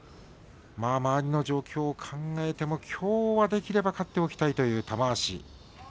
周りの状況を考えてもきょうはできれば勝っておきたいという玉鷲。